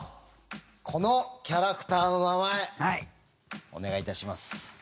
このキャラクターの名前お願いいたします。